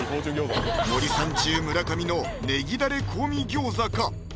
「森三中」・村上のねぎダレ香味餃子か？